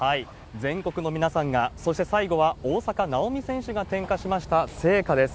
全国の皆さんが、そして最後は大坂なおみ選手が点火しました聖火です。